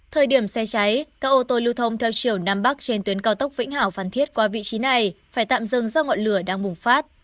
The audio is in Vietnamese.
thời điểm xe cháy các ô tô lưu thông theo chiều nam bắc trên tuyến cao tốc vĩnh hảo phan thiết qua vị trí này phải tạm dừng do ngọn lửa đang bùng phát